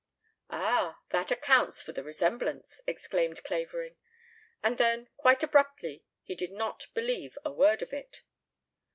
"Ah! That accounts for the resemblance!" exclaimed Clavering. And then, quite abruptly, he did not believe a word of it.